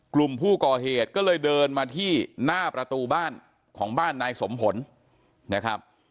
กลุ่มผู้ก่อเหตุก็เลยเดินมาที่หน้าประตูบ้านของบ้านนายสมผลนะครับ